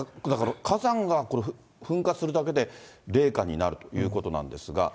だから、火山が噴火するだけで冷夏になるということなんですが。